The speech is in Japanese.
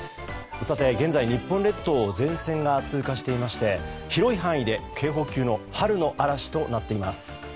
現在、日本列島を前線が通過していまして広い範囲で警報級の春の嵐となっています。